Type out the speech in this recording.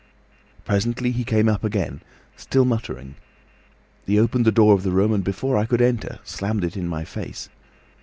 "Presently he came up again, still muttering. He opened the door of the room, and before I could enter, slammed it in my face.